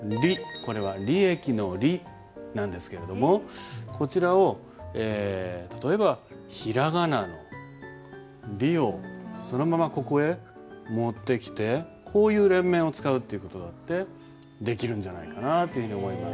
これは「利益」の「利」なんですけれどもこちらを例えば平仮名の「り」をそのままここへ持ってきてこういう連綿を使うっていう事だってできるんじゃないかなって思います。